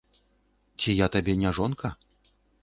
Ці я табе не жонка?